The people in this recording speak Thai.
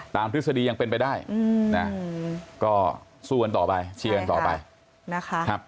ทฤษฎียังเป็นไปได้นะก็สู้กันต่อไปเชียร์กันต่อไปนะคะ